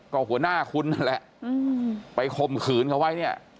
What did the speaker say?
ก็หัวหน้าคุณนั่นแหละไปคมขืนเขาไว้